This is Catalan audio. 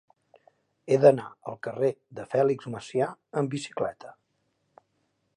He d'anar al carrer de Fèlix Macià amb bicicleta.